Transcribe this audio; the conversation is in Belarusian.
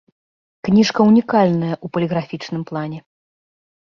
Кніжка ўнікальная ў паліграфічным плане.